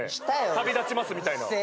「旅立ちます」みたいの。